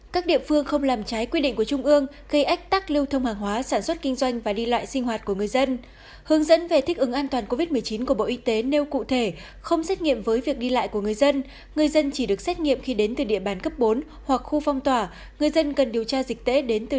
các bạn hãy đăng ký kênh để ủng hộ kênh của chúng mình nhé